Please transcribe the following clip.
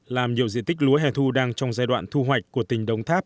làm nhiều diện tích lúa hè thu đang trong giai đoạn thu hoạch của tỉnh đồng tháp